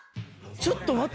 ちょっと待って。